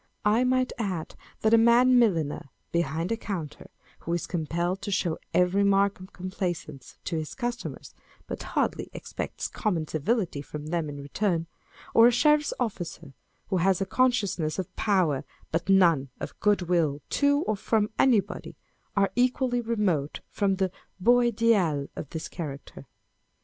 I might add, that a man milliner behind a counter, who is compelled to show every mark of complaisance to his customers, but hardly expects common civility from them in return; or a sheriff's officer, who has a consciousness of power, but none of good will to or from anybody, â€" are equally remote from the beau ideal of this character.